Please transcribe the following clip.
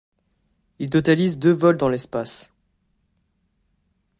Il totalise deux vols dans l'espace.